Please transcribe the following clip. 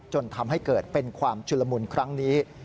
จนทำให้เกิดเป็นความชุลมุนครั้งนี้